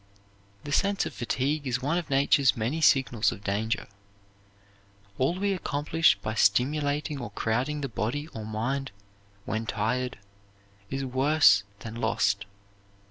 The sense of fatigue is one of Nature's many signals of danger. All we accomplish by stimulating or crowding the body or mind when tired is worse than lost.